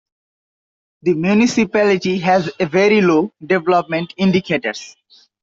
The municipality has very low development indicators.